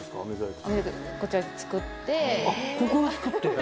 あっここで作って。